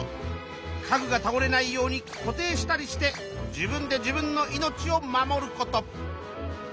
家具がたおれないように固定したりして自分で自分の命を守ること。